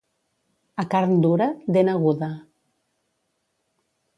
A carn dura, dent aguda.